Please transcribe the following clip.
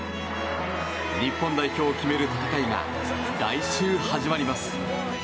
日本代表を決める戦いが来週、始まります。